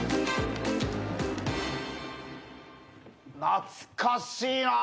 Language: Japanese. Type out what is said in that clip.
懐かしいな！